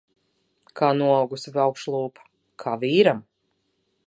Kā noaugusi augšlūpa. Kā vīram.